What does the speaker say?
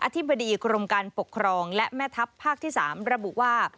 ธิบดีกรมการปกครองและแม่ทัพภาคที่๓ระบุว่า